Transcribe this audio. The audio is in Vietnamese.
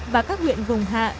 và các huyện vùng hạ